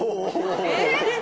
えっ？